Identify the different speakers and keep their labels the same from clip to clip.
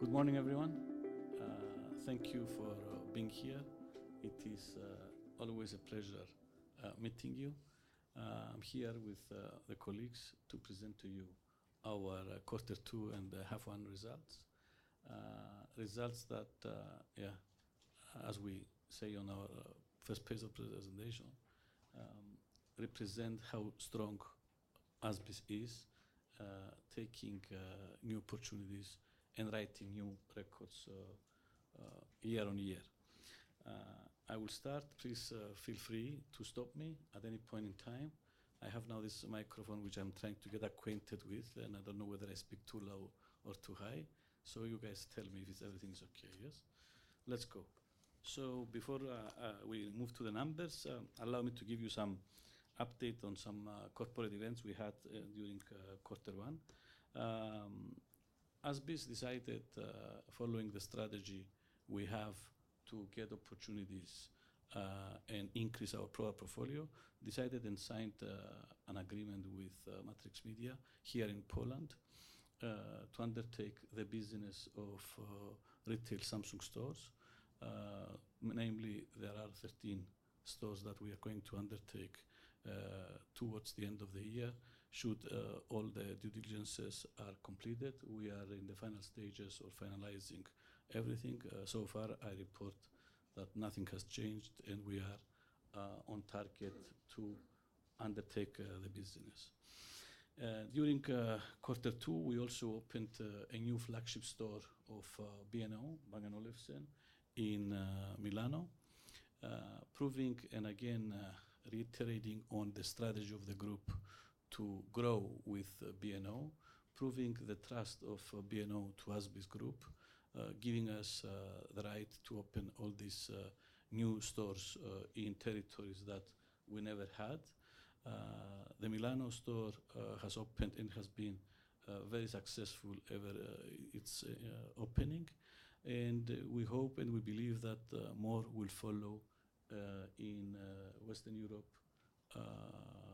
Speaker 1: Good morning, everyone. Thank you for being here. It is always a pleasure meeting you. I'm here with the colleagues to present to you our quarter two and the half one results, results that, yeah, as we say on our first page of the presentation, represent how strong ASBISc is, taking new opportunities and writing new records year on year. I will start. Please feel free to stop me at any point in time. I have now this microphone, which I'm trying to get acquainted with, and I don't know whether I speak too low or too high. You guys tell me if everything is okay. Yes? Let's go. Before we move to the numbers, allow me to give you some update on some corporate events we had during quarter one. ASBISc decided, following the strategy we have to get opportunities and increase our product portfolio, decided and signed an agreement with Matrix Media here in Poland to undertake the business of retail Samsung stores. Namely, there are 13 stores that we are going to undertake towards the end of the year. Should all the due diligences be completed, we are in the final stages of finalizing everything. So far, I report that nothing has changed, and we are on target to undertake the business. During quarter two, we also opened a new flagship store of B&O Bang & Olufsen in Milan, proving and again reiterating on the strategy of the group to grow with B&O, proving the trust of B&O to ASBISc Group, giving us the right to open all these new stores in territories that we never had. The Milan store has opened and has been very successful ever since its opening. We hope and we believe that more will follow in Western Europe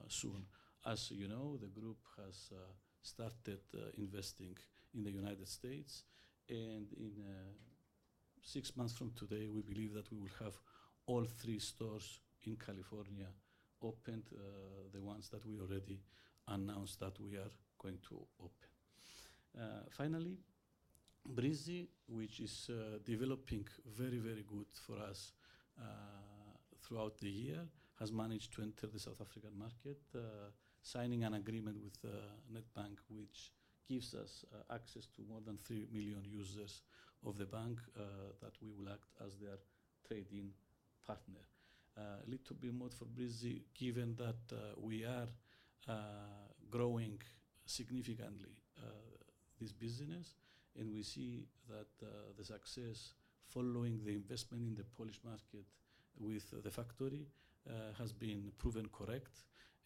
Speaker 1: soon. As you know, the group has started investing in the United States. In six months from today, we believe that we will have all three stores in California opened, the ones that we already announced that we are going to open. Finally, Breezy, which is developing very, very good for us throughout the year, has managed to enter the South African market, signing an agreement with Nedbank, which gives us access to more than 3 million users of the bank, that we will act as their trade-in partner. A little bit more for Breezy, given that we are growing significantly this business, and we see that the success following the investment in the Polish market with the factory has been proven correct.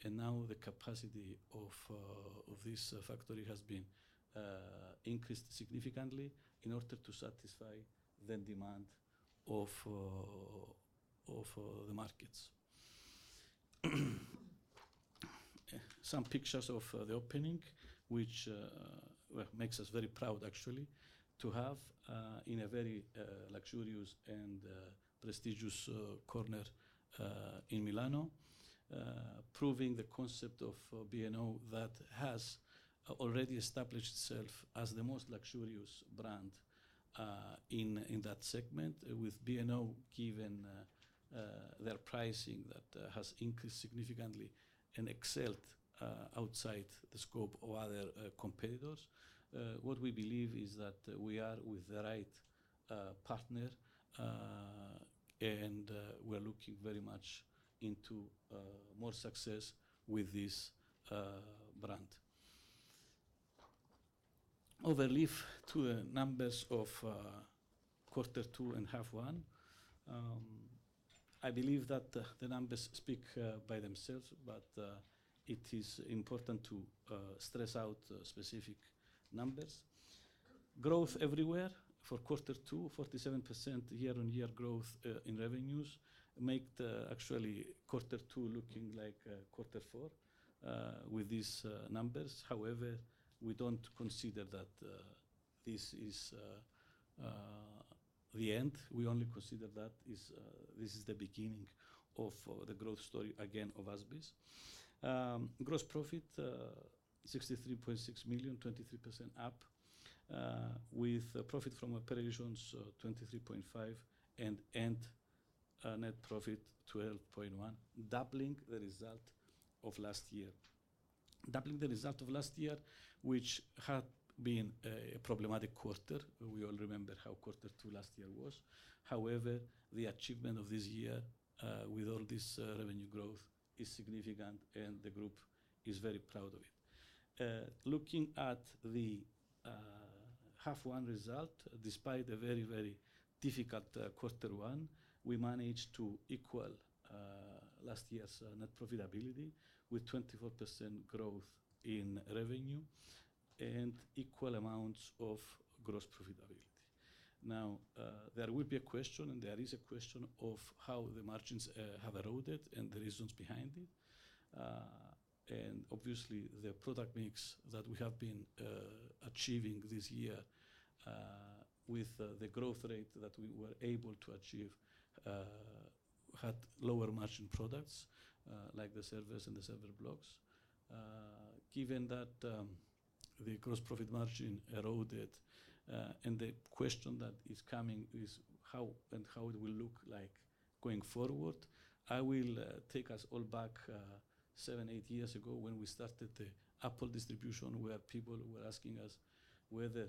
Speaker 1: Now the capacity of this factory has been increased significantly in order to satisfy the demand of the markets. Some pictures of the opening, which makes us very proud, actually, to have, in a very luxurious and prestigious corner, in Milan, proving the concept of B&O that has already established itself as the most luxurious brand in that segment, with B&O given their pricing that has increased significantly and excelled outside the scope of other competitors. What we believe is that we are with the right partner, and we're looking very much into more success with this brand. Overleaf to the numbers of quarter two and half one. I believe that the numbers speak by themselves, but it is important to stress out specific numbers. Growth everywhere for quarter two, 47% year-on-year growth in revenues make actually quarter two looking like quarter four with these numbers. However, we don't consider that this is the end. We only consider that this is the beginning of the growth story again of ASBISc. Gross profit, $63.6 million, 23% up, with profit from operations $23.5 million and net profit $12.1 million, doubling the result of last year. Doubling the result of last year, which had been a problematic quarter. We all remember how quarter two last year was. However, the achievement of this year, with all this revenue growth is significant, and the group is very proud of it. Looking at the half one result, despite a very, very difficult quarter one, we managed to equal last year's net profitability with 24% growth in revenue and equal amounts of gross profitability. Now, there would be a question, and there is a question of how the margins have eroded and the reasons behind it. Obviously, the product mix that we have been achieving this year, with the growth rate that we were able to achieve, had lower margin products, like the servers and the server blocks. Given that, the gross profit margin eroded, and the question that is coming is how and how it will look like going forward, I will take us all back seven, eight years ago when we started the Apple distribution where people were asking us whether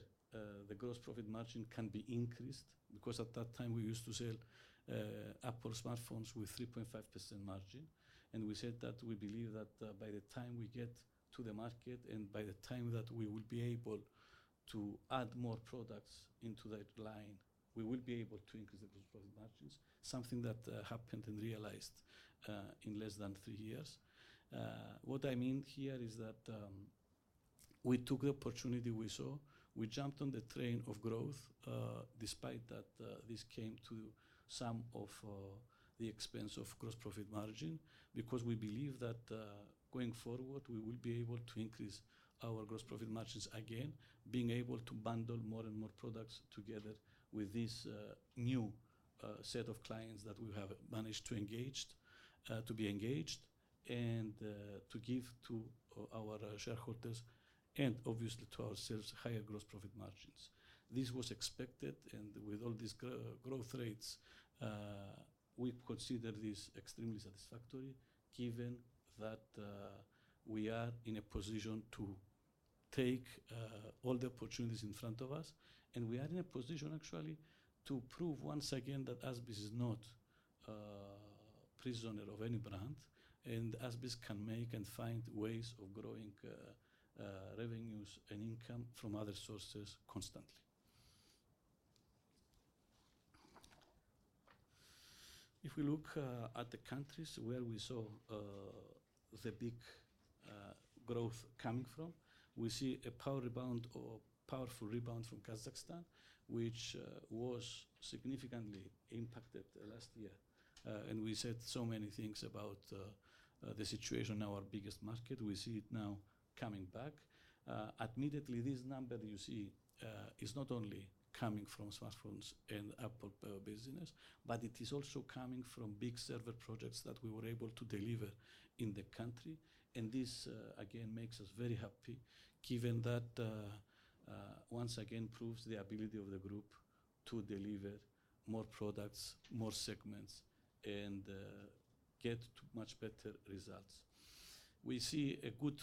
Speaker 1: the gross profit margin can be increased because at that time we used to sell Apple smartphones with 3.5% margin. We said that we believe that, by the time we get to the market and by the time that we will be able to add more products into that line, we will be able to increase the gross profit margins, something that happened and realized in less than three years. What I mean here is that we took the opportunity we saw. We jumped on the train of growth, despite that this came to some of the expense of gross profit margin because we believe that, going forward, we will be able to increase our gross profit margins again, being able to bundle more and more products together with this new set of clients that we have managed to engage, to be engaged and to give to our shareholders and obviously to ourselves higher gross profit margins. This was expected, and with all these growth rates, we consider this extremely satisfactory given that we are in a position to take all the opportunities in front of us. We are in a position, actually, to prove once again that ASBISc is not a prisoner of any brand, and ASBISc can make and find ways of growing revenues and income from other sources constantly. If we look at the countries where we saw the big growth coming from, we see a power rebound or powerful rebound from Kazakhstan, which was significantly impacted last year. We said so many things about the situation in our biggest market. We see it now coming back. Admittedly, this number you see is not only coming from smartphones and Apple business, but it is also coming from big server projects that we were able to deliver in the country. This again makes us very happy given that, once again, proves the ability of the group to deliver more products, more segments, and get to much better results. We see a good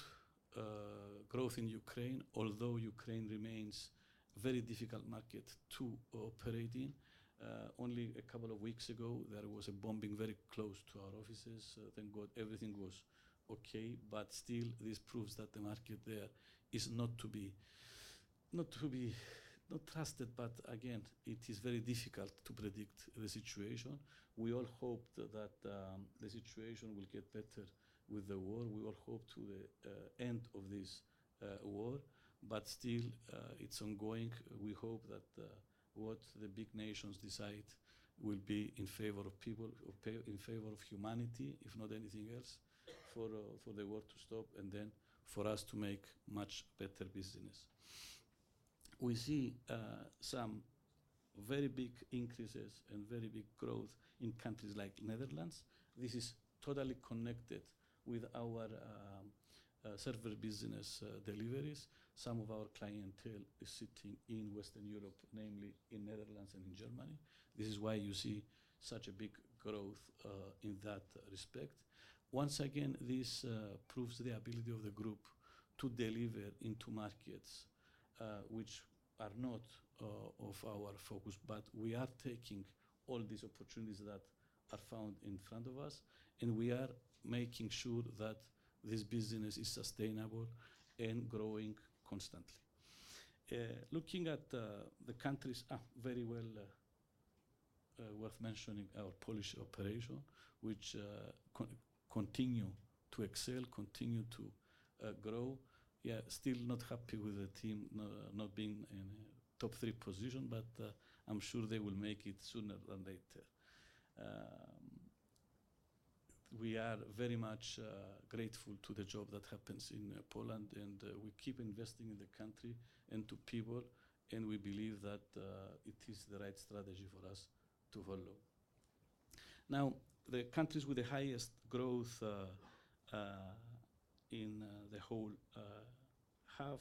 Speaker 1: growth in Ukraine, although Ukraine remains a very difficult market to operate in. Only a couple of weeks ago, there was a bombing very close to our offices. Thank God, everything was okay. Still, this proves that the market there is not to be, not to be, not trusted, but again, it is very difficult to predict the situation. We all hope that the situation will get better with the war. We all hope to the end of this war. Still, it's ongoing. We hope that what the big nations decide will be in favor of people, in favor of humanity, if not anything else, for the war to stop and then for us to make much better business. We see some very big increases and very big growth in countries like Netherlands. This is totally connected with our server business deliveries. Some of our clientele is sitting in Western Europe, namely in the Netherlands and in Germany. This is why you see such a big growth in that respect. Once again, this proves the ability of the group to deliver into markets which are not of our focus, but we are taking all these opportunities that are found in front of us, and we are making sure that this business is sustainable and growing constantly. Looking at the countries, very well, worth mentioning our Polish operation, which continues to excel, continues to grow. Yeah, still not happy with the team not being in a top three position, but I'm sure they will make it sooner than later. We are very much grateful to the job that happens in Poland, and we keep investing in the country and to people, and we believe that it is the right strategy for us to follow. Now, the countries with the highest growth in the whole half,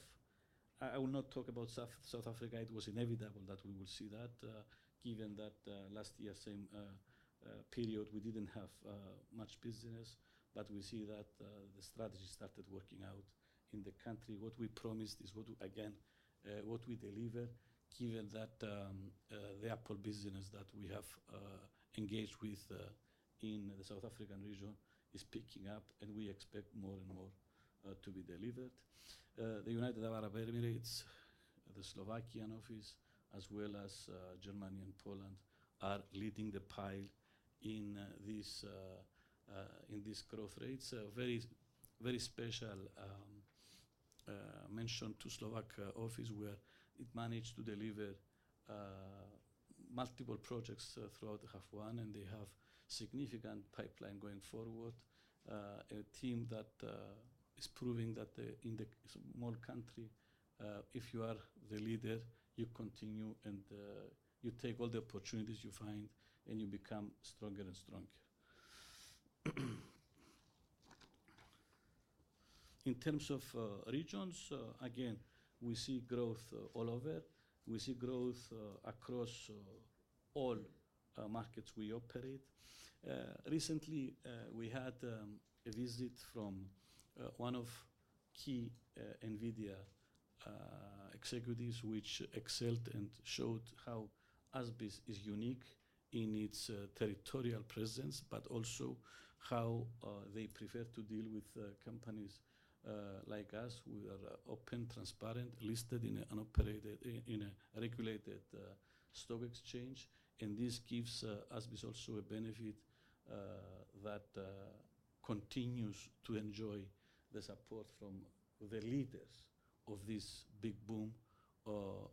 Speaker 1: I will not talk about South Africa. It was inevitable that we will see that, given that last year, same period, we didn't have much business, but we see that the strategy started working out in the country. What we promised is what we, again, what we deliver, given that the Apple business that we have engaged with in the South African region is picking up, and we expect more and more to be delivered. The United Arab Emirates, the Slovakian office, as well as Germany and Poland are leading the pile in this, in this growth rates. A very, very special mention to Slovak office where it managed to deliver multiple projects throughout the half one, and they have a significant pipeline going forward. A team that is proving that in the small country, if you are the leader, you continue and you take all the opportunities you find, and you become stronger and stronger. In terms of regions, again, we see growth all over. We see growth across all markets we operate. Recently, we had a visit from one of key NVIDIA executives, which excelled and showed how ASBISc is unique in its territorial presence, but also how they prefer to deal with companies like us. We are open, transparent, listed in and operated in a regulated stock exchange. This gives us also a benefit that continues to enjoy the support from the leaders of this big boom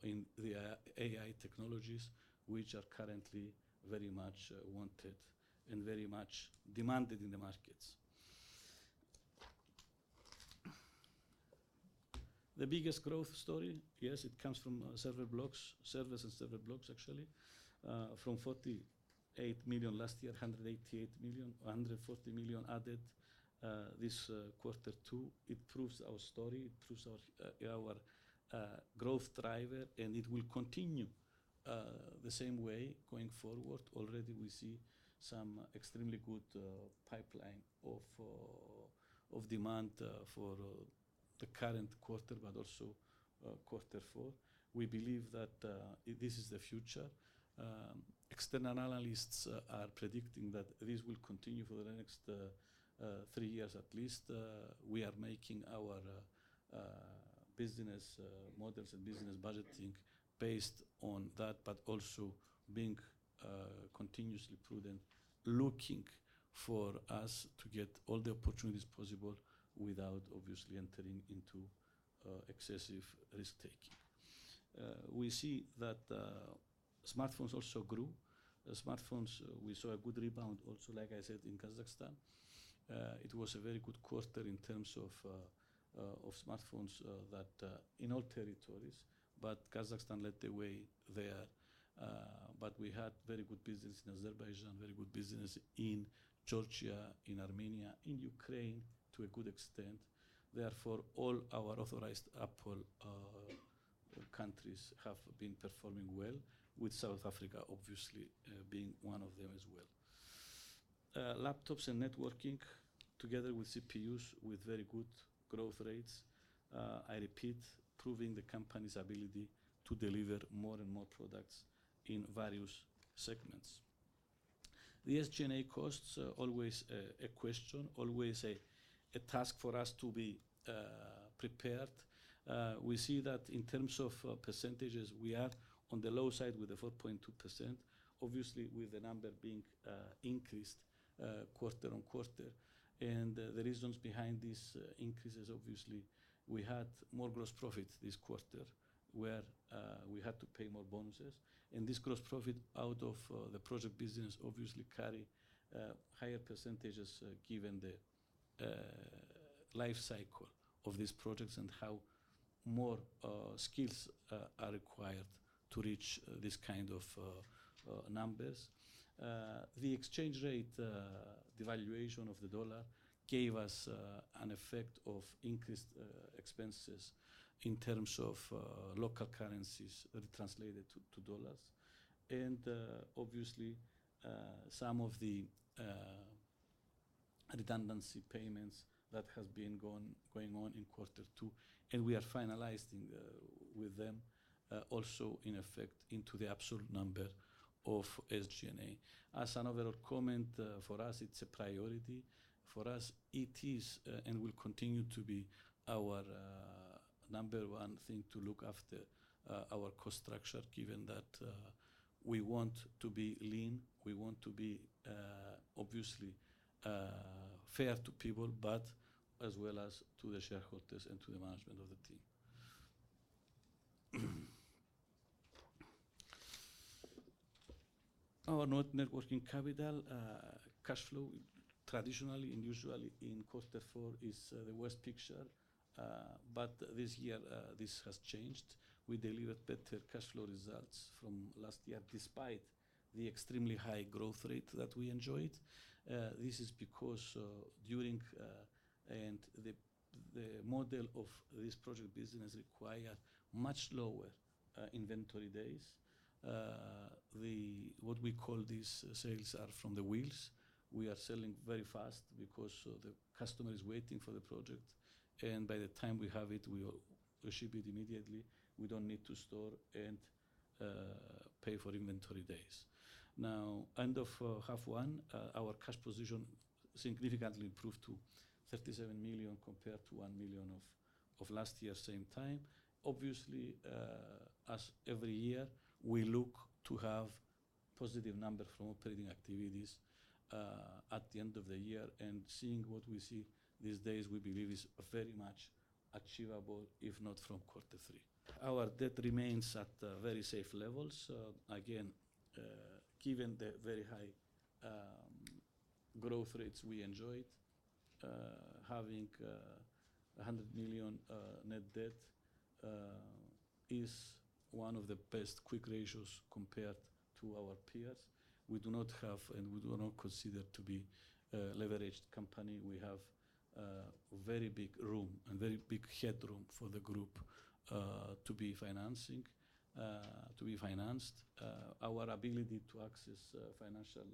Speaker 1: in the AI technologies, which are currently very much wanted and very much demanded in the markets. The biggest growth story, yes, it comes from server blocks, servers and server blocks, actually, from $48 million last year, $188 million, or $140 million added, this quarter two. It proves our story. It proves our growth driver, and it will continue the same way going forward. Already, we see some extremely good pipeline of demand for the current quarter, but also quarter four. We believe that this is the future. External analysts are predicting that this will continue for the next three years at least. We are making our business models and business budgeting based on that, but also being continuously prudent, looking for us to get all the opportunities possible without obviously entering into excessive risk-taking. We see that smartphones also grew. Smartphones, we saw a good rebound also, like I said, in Kazakhstan. It was a very good quarter in terms of smartphones, that, in all territories, but Kazakhstan led the way there. We had very good business in Azerbaijan, very good business in Georgia, in Armenia, in Ukraine to a good extent. Therefore, all our authorized Apple countries have been performing well, with South Africa obviously being one of them as well. Laptops and networking together with CPUs with very good growth rates. I repeat, proving the company's ability to deliver more and more products in various segments. The SG&A costs are always a question, always a task for us to be prepared. We see that in terms of percentages, we are on the low side with the 4.2%, obviously with the number being increased, quarter on quarter. The reasons behind this increase, obviously, we had more gross profit this quarter where we had to pay more bonuses. This gross profit out of the project business obviously carry higher percentages, given the life cycle of these projects and how more skills are required to reach this kind of numbers. The exchange rate, the valuation of the dollar gave us an effect of increased expenses in terms of local currencies translated to dollars. Obviously, some of the redundancy payments that have been going on in quarter two, and we are finalizing with them, also in effect into the absolute number of SG&A. As an overall comment, for us, it's a priority. For us, it is, and will continue to be our number one thing to look after, our cost structure given that we want to be lean. We want to be, obviously, fair to people, but as well as to the shareholders and to the management of the team. Our networking capital, cash flow, traditionally and usually in quarter four is the worst picture, but this year, this has changed. We delivered better cash flow results from last year despite the extremely high growth rate that we enjoyed. This is because, during, and the model of this project business requires much lower inventory days. What we call these sales are from the wheels. We are selling very fast because the customer is waiting for the project. By the time we have it, we ship it immediately. We don't need to store and pay for inventory days. Now, end of half one, our cash position significantly improved to $37 million compared to $1 million of last year's same time. Obviously, as every year, we look to have positive numbers from operating activities at the end of the year. Seeing what we see these days, we believe is very much achievable if not from quarter three. Our debt remains at very safe levels. Again, given the very high growth rates we enjoyed, having $100 million net debt is one of the best quick ratios compared to our peers. We do not have, and we do not consider to be, a leveraged company. We have very big room and very big headroom for the group to be financing, to be financed. Our ability to access financial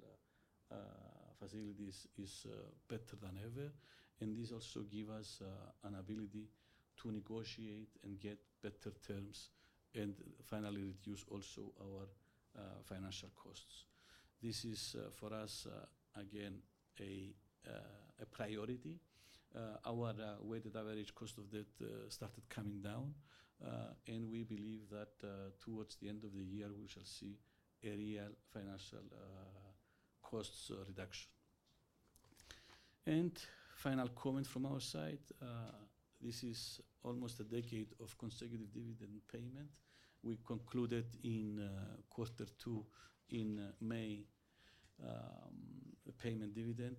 Speaker 1: facilities is better than ever. This also gives us an ability to negotiate and get better terms and finally reduce also our financial costs. This is, for us, again, a priority. Our weighted average cost of debt started coming down, and we believe that towards the end of the year, we shall see a real financial cost reduction. Final comment from our side, this is almost a decade of consecutive dividend payment. We concluded in quarter two in May, payment dividend,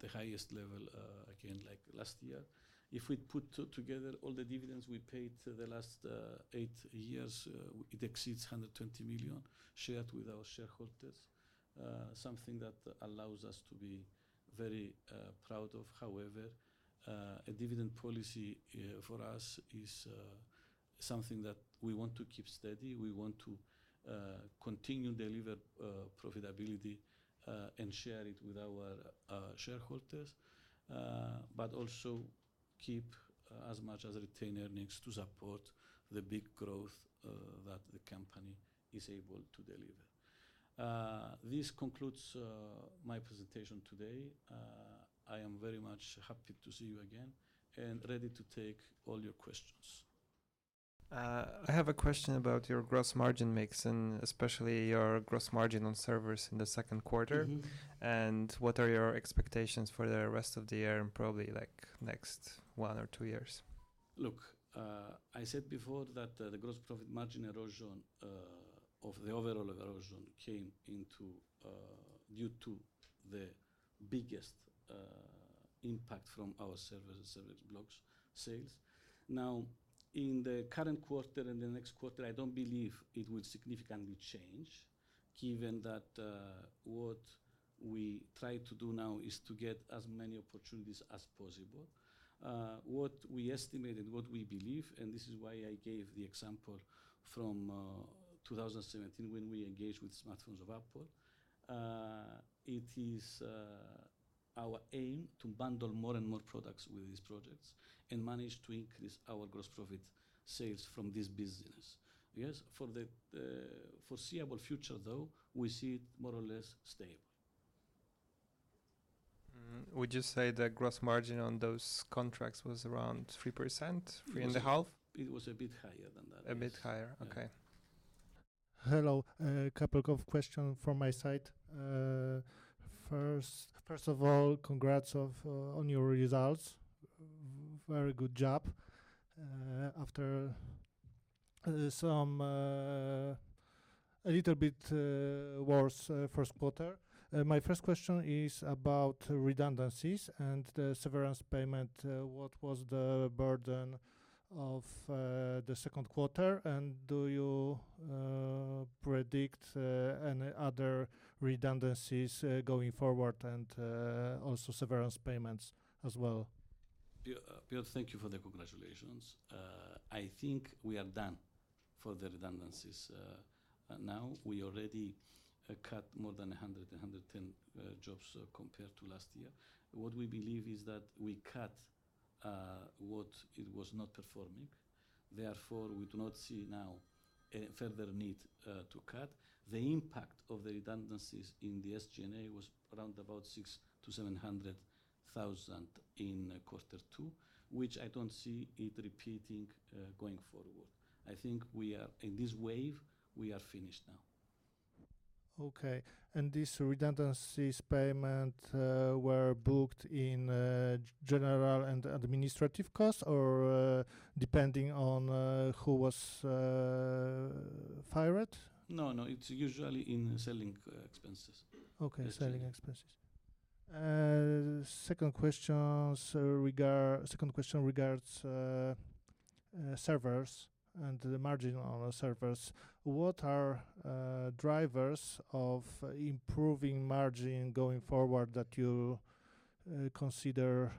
Speaker 1: the highest level, again, like last year. If we put together all the dividends we paid the last eight years, it exceeds $120 million shared with our shareholders, something that allows us to be very proud of. However, a dividend policy for us is something that we want to keep steady. We want to continue to deliver profitability and share it with our shareholders, but also keep as much as retain earnings to support the big growth that the company is able to deliver. This concludes my presentation today. I am very much happy to see you again and ready to take all your questions. I have a question about your gross margin mix, and especially your gross margin on servers in the second quarter. Mm-hmm. What are your expectations for the rest of the year and probably like next one or two years? Look, I said before that the gross profit margin erosion, of the overall erosion, came into due to the biggest impact from our servers and server block sales. Now, in the current quarter and the next quarter, I don't believe it would significantly change, given that what we try to do now is to get as many opportunities as possible. What we estimate and what we believe, and this is why I gave the example from 2017 when we engaged with smartphones of Apple, it is our aim to bundle more and more products with these projects and manage to increase our gross profit sales from this business. Yes, for the foreseeable future, though, we see it more or less stable. Would you say the gross margin on those contracts was around 3% in the half? It was a bit higher than that. A bit higher. Okay. Hello. A couple of questions from my side. First of all, congrats on your results. Very good job. After some, a little bit worse first quarter. My first question is about redundancies and the severance payment. What was the burden of the second quarter? Do you predict any other redundancies going forward and also severance payments as well? Thank you for the congratulations. I think we are done for the redundancies now. We already cut more than 100 and 110 jobs compared to last year. What we believe is that we cut what was not performing. Therefore, we do not see now a further need to cut. The impact of the redundancies in the SG&A was around $600,000-$700,000 in quarter two, which I don't see it repeating going forward. I think we are in this wave, we are finished now. Okay. Were these redundancies payments booked in general and administrative costs, or depending on who was fired? No, no, it's usually in selling expenses. Okay. Selling expenses. Second question regards servers and the margin on the servers. What are drivers of improving margin going forward that you consider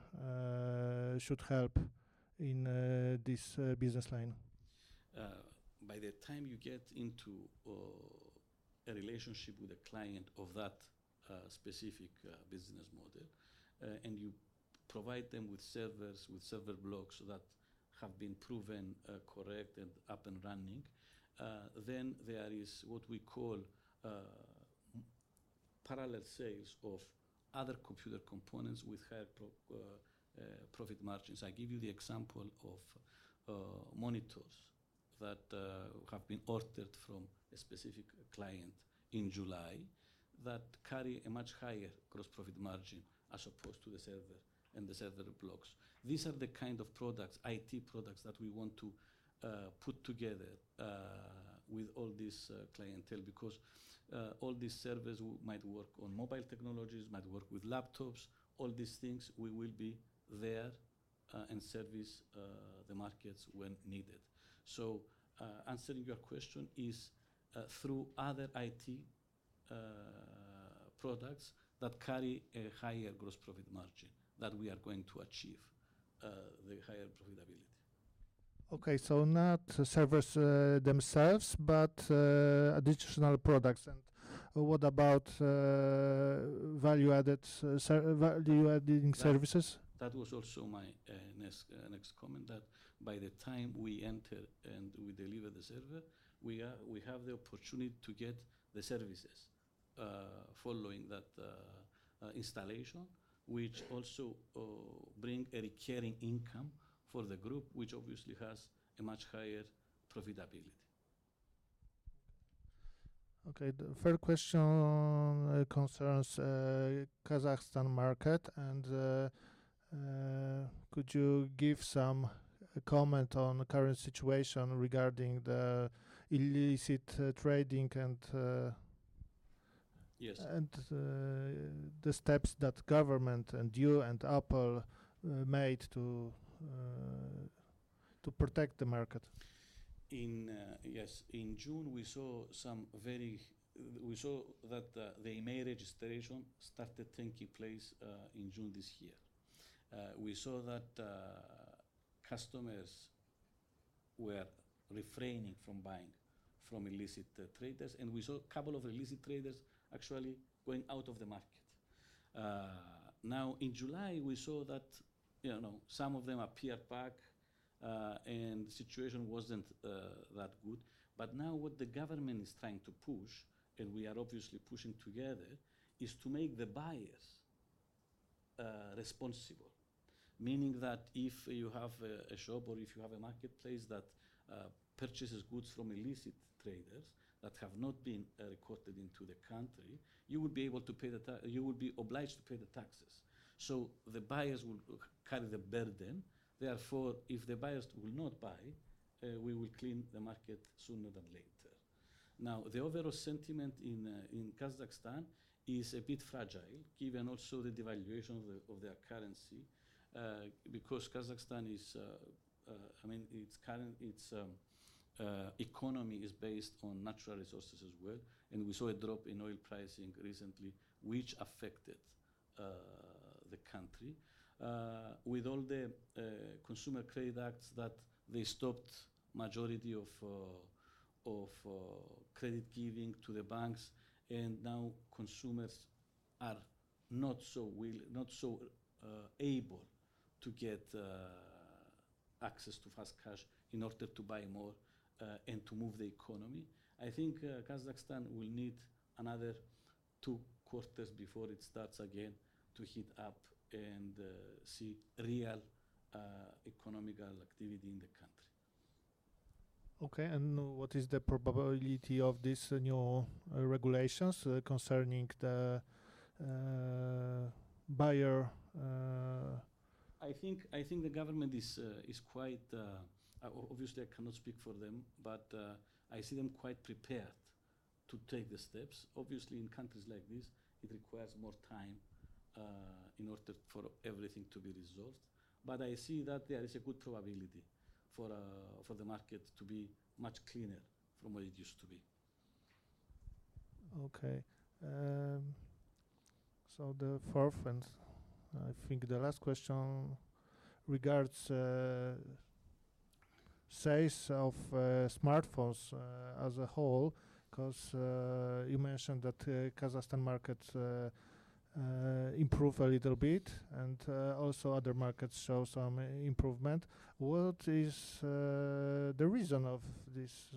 Speaker 1: should help in this business line? By the time you get into a relationship with a client of that specific business model, and you provide them with servers, with server blocks that have been proven correct and up and running, there is what we call parallel sales of other computer components with higher profit margins. I give you the example of monitors that have been ordered from a specific client in July that carry a much higher gross profit margin as opposed to the server and the server blocks. These are the kind of products, IT products that we want to put together with all this clientele because all these servers might work on mobile technologies, might work with laptops, all these things. We will be there and service the markets when needed. Answering your question, it is through other IT products that carry a higher gross profit margin that we are going to achieve the higher profitability. Okay. Not servers themselves, but additional products. What about value-added services? That was also my next comment that by the time we enter and we deliver the server, we have the opportunity to get the services following that, installation, which also bring a recurring income for the group, which obviously has a much higher profitability. Okay. The third question concerns the Kazakhstan market. Could you give some comment on the current situation regarding the illicit trading, and the steps that the government, you, and Apple made to protect the market? Yes. In June, we saw that the email registration started taking place. In June this year, we saw that customers were refraining from buying from illicit traders, and we saw a couple of illicit traders actually going out of the market. Now in July, we saw that some of them appeared back, and the situation wasn't that good. What the government is trying to push, and we are obviously pushing together, is to make the buyers responsible. Meaning that if you have a shop or if you have a marketplace that purchases goods from illicit traders that have not been recorded into the country, you would be obliged to pay the taxes. The buyers will carry the burden. Therefore, if the buyers will not buy, we will clean the market sooner than later. Now, the overall sentiment in Kazakhstan is a bit fragile given also the devaluation of their currency, because Kazakhstan is, I mean, its economy is based on natural resources as well. We saw a drop in oil pricing recently, which affected the country, with all the consumer credit acts that they stopped the majority of credit giving to the banks. Now consumers are not so able to get access to fast cash in order to buy more and to move the economy. I think Kazakhstan will need another two quarters before it starts again to heat up and see real economical activity in the country. Okay, what is the probability of these new regulations concerning the buyer? I think the government is quite, obviously, I cannot speak for them, but I see them quite prepared to take the steps. Obviously, in countries like this, it requires more time in order for everything to be resolved. I see that there is a good probability for the market to be much cleaner from what it used to be. Okay, the forefront, I think the last question regards sales of smartphones as a whole, because you mentioned that Kazakhstan markets improved a little bit and also other markets show some improvement. What is the reason of this,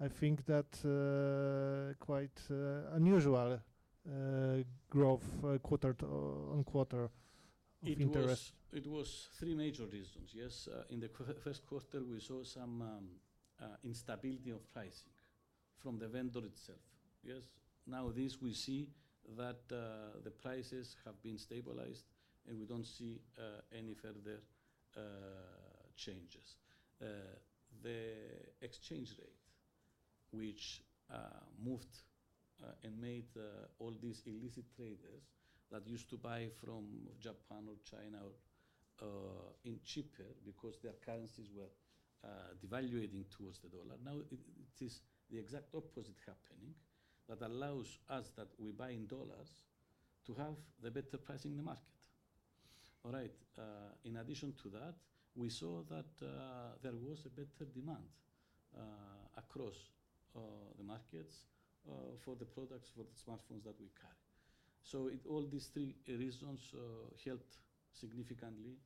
Speaker 1: I think that quite unusual growth quarter on quarter? It was three major reasons. In the first quarter, we saw some instability of pricing from the vendor itself. Now, we see that the prices have been stabilized, and we don't see any further changes. The exchange rate, which moved and made all these illicit traders that used to buy from Japan or China in cheaper because their currencies were devaluating towards the dollar. Now, it is the exact opposite happening that allows us, that we buy in dollars, to have the better pricing in the market. In addition to that, we saw that there was a better demand across the markets for the products, for the smartphones that we carry. All these three reasons helped significantly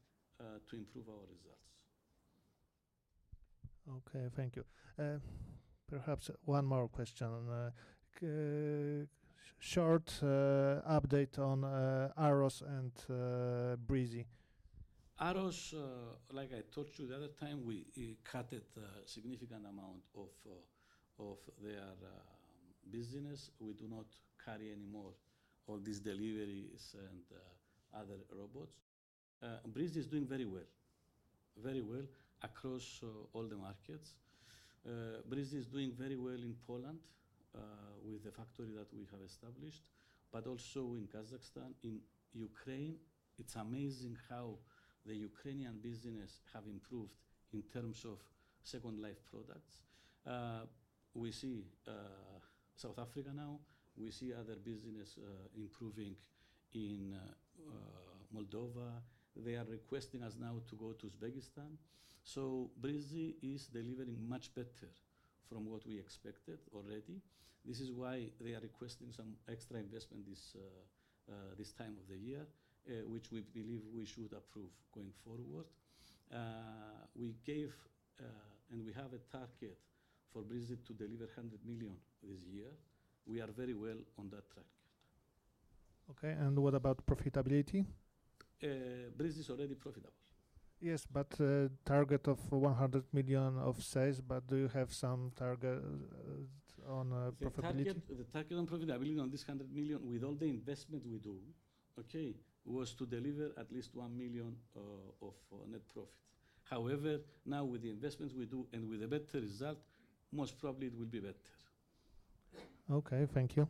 Speaker 1: to improve our results. Okay. Thank you. Perhaps one more question. Short update on AROS and Breezy. AROS like I told you the other time, we cut a significant amount of their business. We do not carry anymore all these deliveries and other robots. Breezy is doing very well, very well across all the markets. Breezy is doing very well in Poland, with the factory that we have established, but also in Kazakhstan. In Ukraine, it's amazing how the Ukrainian business have improved in terms of second life products. We see South Africa now. We see other business improving in Moldova. They are requesting us now to go to Uzbekistan. Breezy is delivering much better from what we expected already. This is why they are requesting some extra investment this time of the year, which we believe we should approve going forward. We gave, and we have a target for Breezy to deliver $100 million this year. We are very well on that track. Okay. What about profitability? Breezy is already profitable. Yes, target of $100 million of sales, but do you have some target on profitability? The target on profitability on this $100 million with all the investment we do, was to deliver at least $1 million of net profit. However, now with the investments we do and with a better result, most probably it will be better. Okay, thank you.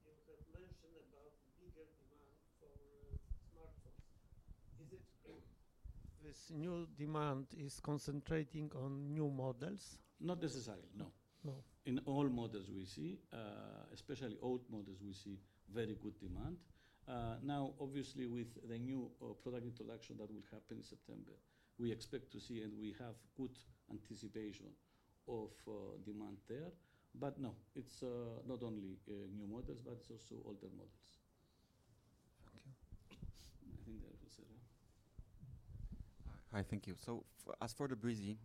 Speaker 1: You have mentioned about bigger demand for smartphones. Is it true this new demand is concentrating on new models? Not necessarily, no. No. In all models we see, especially old models, we see very good demand. Now, obviously, with the new product introduction that will happen in September, we expect to see and we have good anticipation of demand there. It's not only new models, but it's also older models. Thank you. I think that's it. Hi. Thank you. As for Breezy,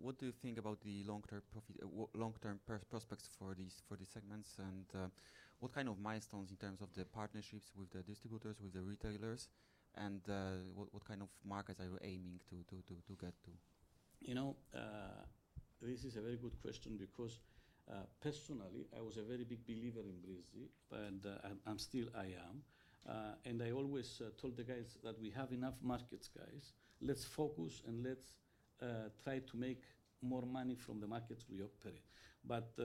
Speaker 1: what do you think about the long-term profit, long-term prospects for these segments? What kind of milestones in terms of the partnerships with the distributors, with the retailers, and what kind of markets are you aiming to get to? You know, this is a very good question because, personally, I was a very big believer in Breezy, and I'm still, I am. I always told the guys that we have enough markets, guys. Let's focus and try to make more money from the markets we operate.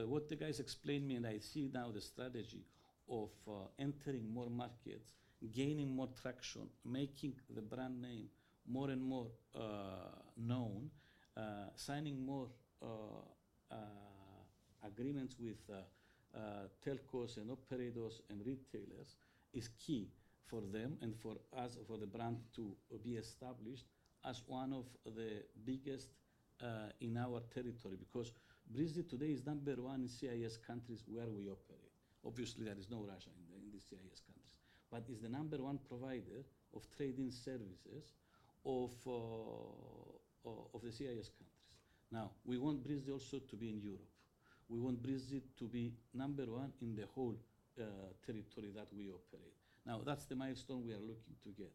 Speaker 1: What the guys explained to me, and I see now the strategy of entering more markets, gaining more traction, making the brand name more and more known, signing more agreements with telcos and operators and retailers is key for them and for us, for the brand to be established as one of the biggest in our territory because Breezy today is number one in CIS countries where we operate. Obviously, there is no Russia in the CIS countries, but it's the number one provider of trade-in services of the CIS countries. Now, we want Breezy also to be in Europe. We want Breezy to be number one in the whole territory that we operate. That's the milestone we are looking to get.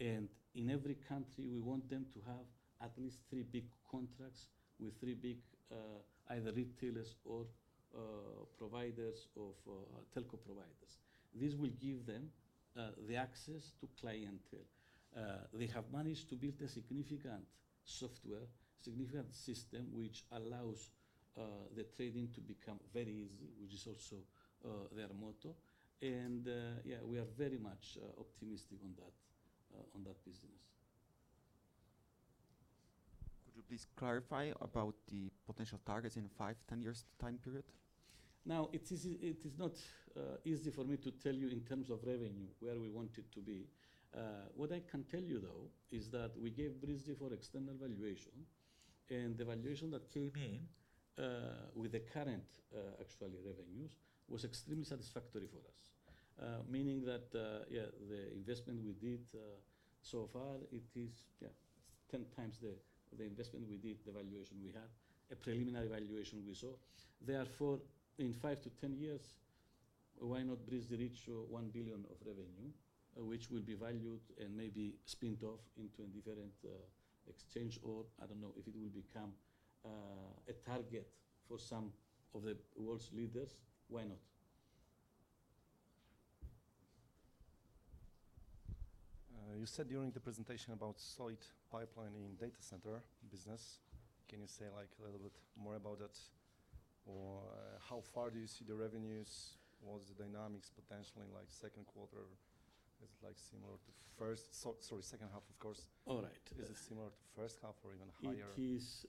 Speaker 1: In every country, we want them to have at least three big contracts with three big, either retailers or providers of telco services. This will give them the access to clientele. They have managed to build a significant software, significant system, which allows the trade-in to become very easy, which is also their motto. We are very much optimistic on that business. Could you please clarify about the potential targets in 5, 10 years time period? Now, it is not easy for me to tell you in terms of revenue where we want it to be. What I can tell you, though, is that we gave Breezy for external valuation, and the valuation that came in with the current, actually revenues was extremely satisfactory for us. Meaning that, yeah, the investment we did so far, it's 10x the investment we did, the valuation we have, a preliminary valuation we saw. Therefore, in 5 to 10 years, why not Breezy reach $1 billion of revenue, which will be valued and maybe spun off into a different exchange or I don't know if it will become a target for some of the world's leaders. Why not? You said during the presentation about saw it pipeline in data center business. Can you say a little bit more about that? Or how far do you see the revenues? What's the dynamics potentially in second quarter? Is it similar to first? Sorry, second half, of course. All right. Is it similar to first half or even higher? It is,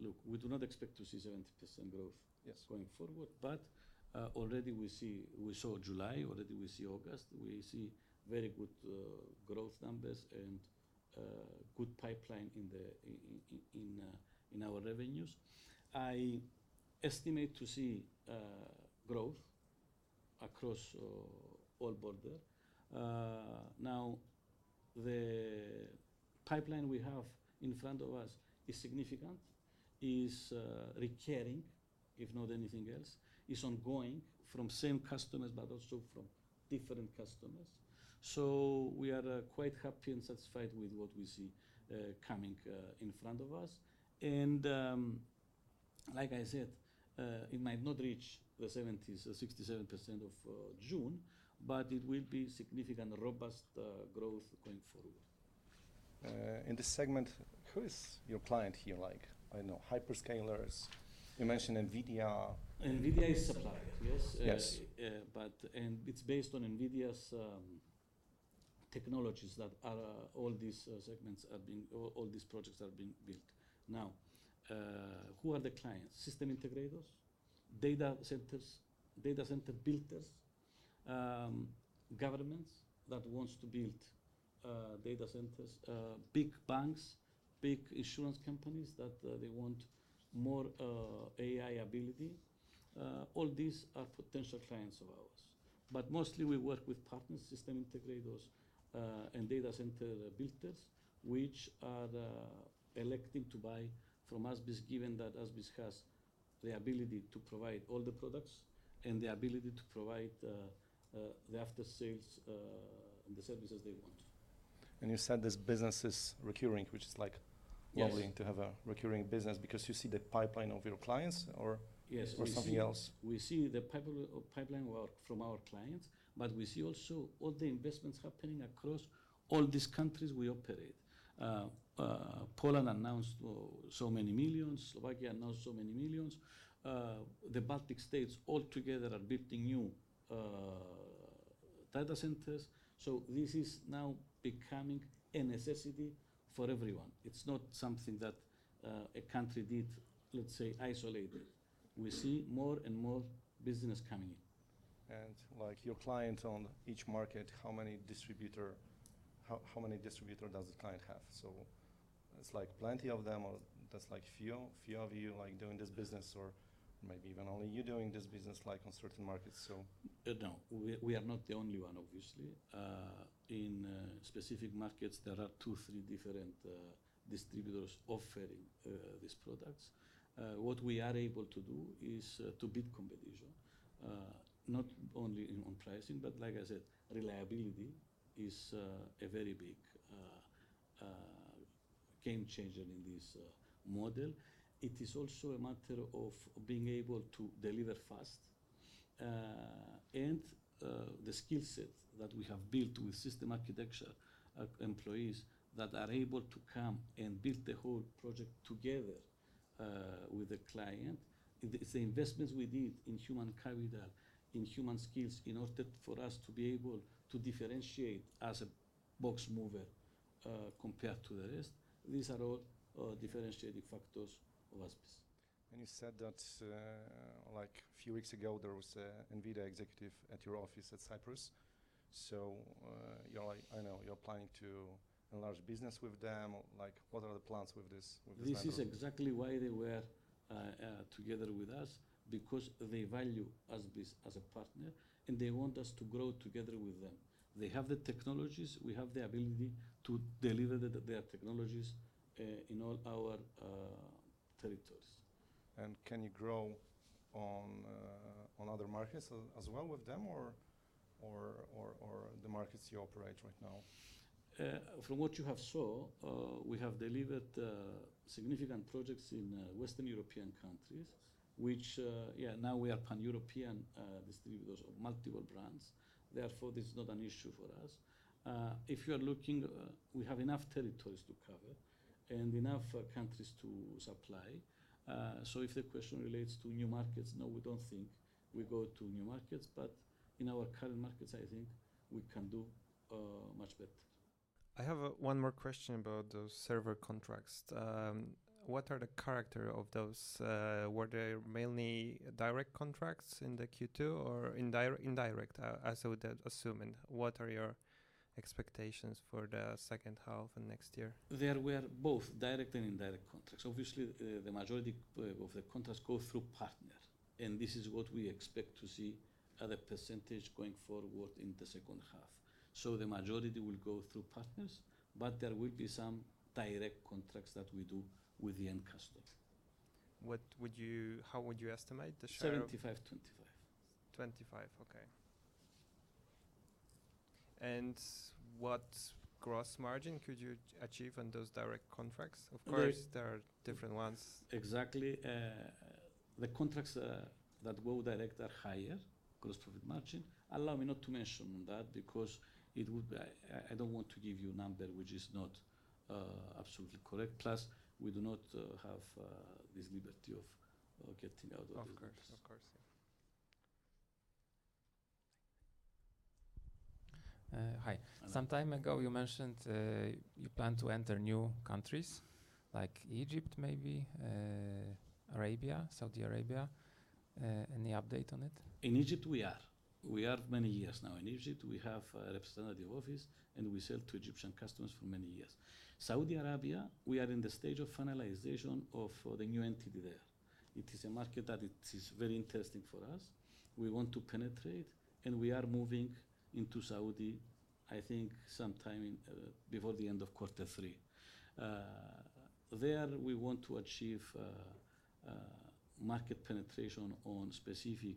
Speaker 1: look, we do not expect to see 70% growth going forward, but already we see, we saw July, already we see August. We see very good growth numbers and good pipeline in our revenues. I estimate to see growth across all border. Now, the pipeline we have in front of us is significant, is recurring, if not anything else, is ongoing from same customers, but also from different customers. We are quite happy and satisfied with what we see coming in front of us. Like I said, it might not reach the 70s, the 67% of June, but it will be significant robust growth going forward. In this segment, who is your client here? Like, I don't know, hyperscalers? You mentioned NVIDIA. NVIDIA is a supplier. Yes. Yes, and it's based on NVIDIA's technologies that all these segments are being, all these projects are being built. Now, who are the clients? System integrators, data centers, data center builders, governments that want to build data centers, big banks, big insurance companies that want more AI ability. All these are potential clients of ours. Mostly, we work with partners, system integrators, and data center builders, which are electing to buy from ASBISc given that ASBISc has the ability to provide all the products and the ability to provide the after-sales and the services they want. You said this business is recurring, which is lovely to have a recurring business because you see the pipeline of your clients or something else? Yes. We see the pipeline work from our clients, but we see also all the investments happening across all these countries we operate. Poland announced so many millions. Slovakia announced so many millions. The Baltic states altogether are building new data centers. This is now becoming a necessity for everyone. It's not something that a country did, let's say, isolated. We see more and more business coming in. For your client on each market, how many distributors does the client have? Is it plenty of them, or just a few of you doing this business, or maybe even only you doing this business in certain markets? No, we are not the only one, obviously. In specific markets, there are two, three different distributors offering these products. What we are able to do is to beat competition not only on pricing, but like I said, reliability is a very big game changer in this model. It is also a matter of being able to deliver fast, and the skill set that we have built with system architecture, employees that are able to come and build the whole project together with the client. It's the investments we did in human capital, in human skills in order for us to be able to differentiate as a box mover compared to the rest. These are all differentiating factors of ASBISc. You said that, a few weeks ago, there was an NVIDIA executive at your office in Cyprus. I know you're planning to enlarge business with them. What are the plans with this? This is exactly why they were together with us, because they value us as a partner and they want us to grow together with them. They have the technologies. We have the ability to deliver their technologies in all our territories. Can you grow on other markets as well with them, or the markets you operate right now? From what you have saw, we have delivered significant projects in Western European countries, which, yeah, now we are pan-European distributors of multiple brands. Therefore, this is not an issue for us. If you are looking, we have enough territories to cover and enough countries to supply. If the question relates to new markets, no, we don't think we go to new markets, but in our current markets, I think we can do much better. I have one more question about those server contracts. What are the character of those? Were they mainly direct contracts in the Q2 or indirect? I was assuming what are your expectations for the second half and next year? There were both direct and indirect contracts. Obviously, the majority of the contracts go through partners, and this is what we expect to see as a percentage going forward in the second half. The majority will go through partners, but there will be some direct contracts that we do with the end customers. How would you estimate the share? 75/25. 25%. Okay. What gross margin could you achieve on those direct contracts? Of course, there are different ones. Exactly. The contracts that go direct are higher gross profit margin. Allow me not to mention on that because I don't want to give you a number which is not absolutely correct. Plus, we do not have this liberty of getting out of this. Of course. Of course. Yeah. Hi. Some time ago, you mentioned you plan to enter new countries like Egypt, maybe Saudi Arabia. Any update on it? In Egypt, we are. We are many years now. In Egypt, we have a representative office, and we sell to Egyptian customs for many years. Saudi Arabia, we are in the stage of finalization of the new entity there. It is a market that it is very interesting for us. We want to penetrate, and we are moving into Saudi, I think, sometime before the end of quarter three. There, we want to achieve market penetration on specific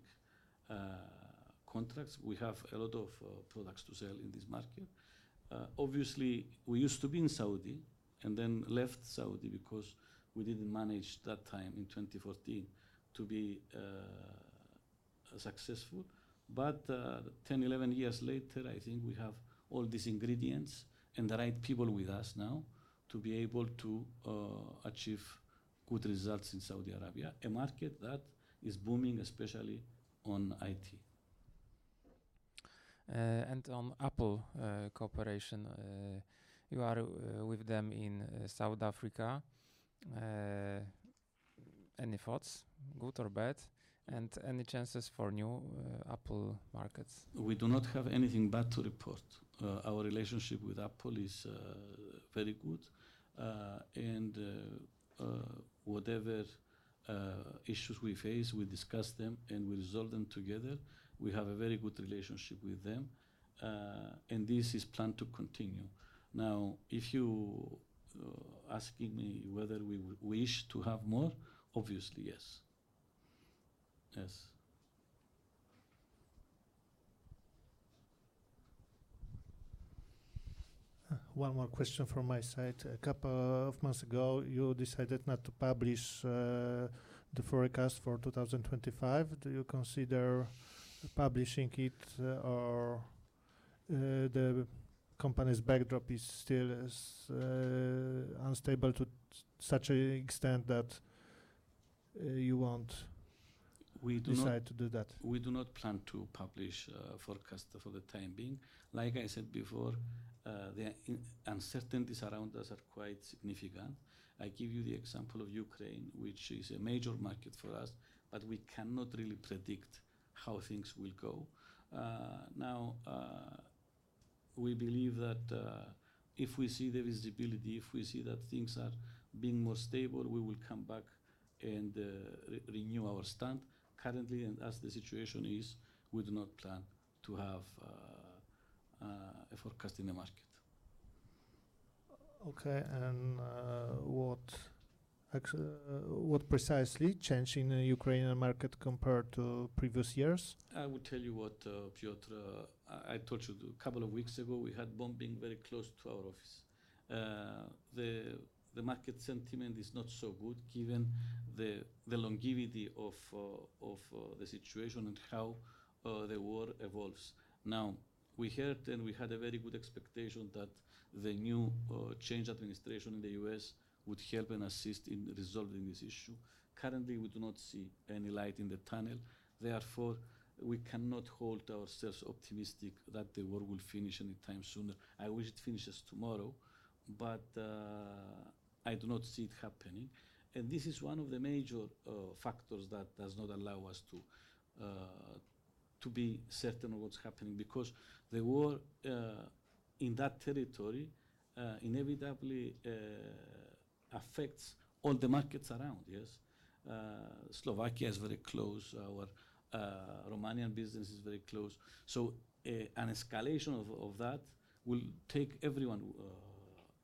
Speaker 1: contracts. We have a lot of products to sell in this market. Obviously, we used to be in Saudi and then left Saudi because we didn't manage that time in 2014 to be successful. 10, 11 years later, I think we have all these ingredients and the right people with us now to be able to achieve good results in Saudi Arabia, a market that is booming, especially on IT. On Apple corporation, you are with them in South Africa. Any thoughts, good or bad, and any chances for new Apple markets? We do not have anything bad to report. Our relationship with Apple is very good. Whatever issues we face, we discuss them and we resolve them together. We have a very good relationship with them. This is planned to continue. Now, if you are asking me whether we wish to have more, obviously, yes. Yes. One more question from my side. A couple of months ago, you decided not to publish the forecast for 2025. Do you consider publishing it, or the company's backdrop is still unstable to such an extent that you want to decide to do that? We do not plan to publish a forecast for the time being. Like I said before, the uncertainties around us are quite significant. I give you the example of Ukraine, which is a major market for us, but we cannot really predict how things will go. We believe that if we see the visibility, if we see that things are being more stable, we will come back and renew our stand. Currently, as the situation is, we do not plan to have a forecast in the market. Okay. What precisely changed in the Ukrainian market compared to previous years? I would tell you what, [Piotr]. I told you a couple of weeks ago, we had bombing very close to our office. The market sentiment is not so good given the longevity of the situation and how the war evolves. Now, we heard and we had a very good expectation that the new change administration in the U.S. would help and assist in resolving this issue. Currently, we do not see any light in the tunnel. Therefore, we cannot hold ourselves optimistic that the war will finish anytime soon. I wish it finishes tomorrow, but I do not see it happening. This is one of the major factors that does not allow us to be certain of what's happening because the war in that territory inevitably affects all the markets around. Yes, Slovakia is very close. Our Romanian business is very close. An escalation of that will take everyone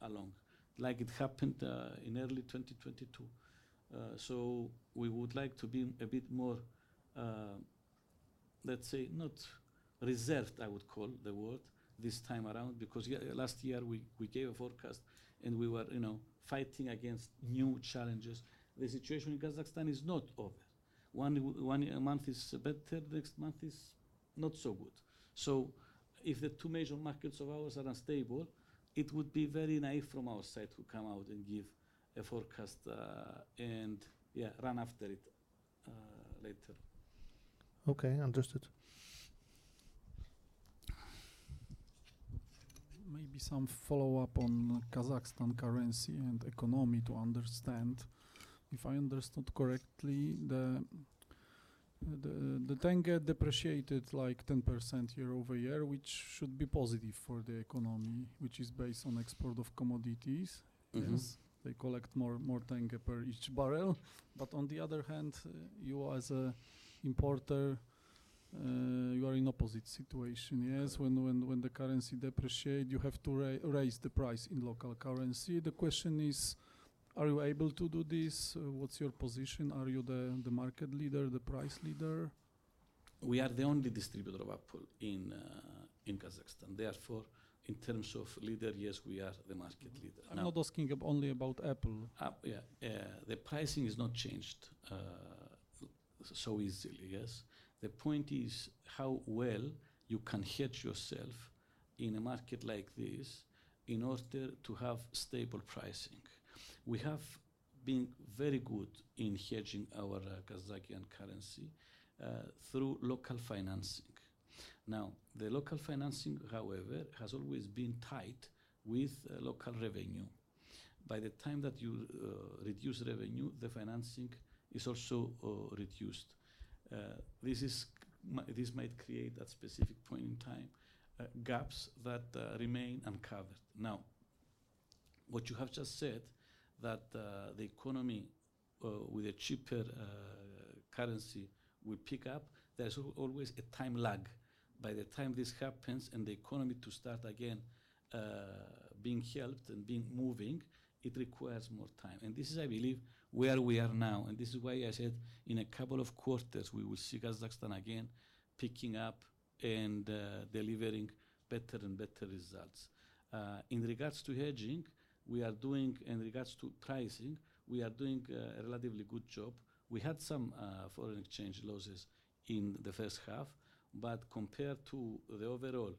Speaker 1: along like it happened in early 2022. We would like to be a bit more, let's say, not reserved, I would call the word this time around because last year we gave a forecast and we were, you know, fighting against new challenges. The situation in Kazakhstan is not over. One month is better, the next month is not so good. If the two major markets of ours are unstable, it would be very naive from our side to come out and give a forecast and, yeah, run after it later. Okay. Understood. Maybe some follow-up on Kazakhstan currency and economy to understand. If I understood correctly, the tenge depreciated like 10% year over year, which should be positive for the economy, which is based on export of commodities because they collect more tenge per each barrel. On the other hand, you as an importer, you are in the opposite situation. Yes. When the currency depreciates, you have to raise the price in local currency. The question is, are you able to do this? What's your position? Are you the market leader, the price leader? We are the only distributor of Apple in Kazakhstan. Therefore, in terms of leader, yes, we are the market leader. I'm not asking only about Apple. Yeah. The pricing is not changed so easily. Yes. The point is how well you can hedge yourself in a market like this in order to have stable pricing. We have been very good in hedging our Kazakh currency, through local financing. Now, the local financing, however, has always been tight with local revenue. By the time that you reduce revenue, the financing is also reduced. This might create at a specific point in time, gaps that remain uncovered. Now, what you have just said, that the economy, with a cheaper currency, we pick up, there's always a time lag. By the time this happens and the economy to start again, being helped and being moving, it requires more time. I believe this is where we are now. This is why I said in a couple of quarters, we will see Kazakhstan again picking up and delivering better and better results. In regards to hedging, we are doing, in regards to pricing, we are doing a relatively good job. We had some foreign exchange losses in the first half, but compared to the overall,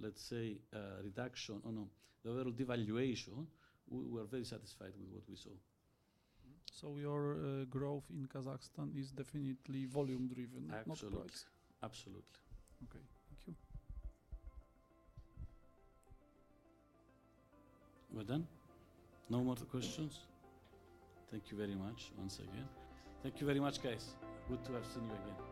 Speaker 1: let's say, reduction or no, the overall devaluation, we were very satisfied with what we saw. Your growth in Kazakhstan is definitely volume-driven, not price. Absolutely. Absolutely. Okay, thank you. We're done. No more questions. Thank you very much once again. Thank you very much, guys. Good to have seen you again.